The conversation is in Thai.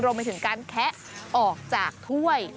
รวมไปถึงการแคะออกจากถ้วย